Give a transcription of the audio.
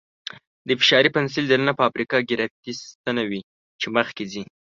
د فشاري پنسل دننه باریکه ګرافیتي ستنه وي چې مخکې ځي.